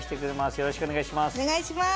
よろしくお願いします。